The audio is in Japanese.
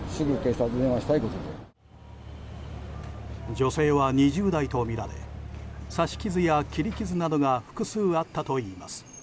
女性は２０代とみられ刺し傷や切り傷などが複数あったといいます。